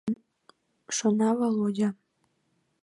— шона Володя.